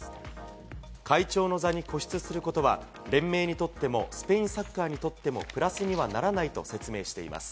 会長の座に固執することは、連盟にとってもスペインサッカーにとってもプラスにはならないと説明しています。